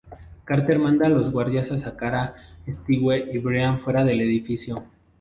Carter manda a los guardias a sacar a Stewie y Brian fuera del edificio.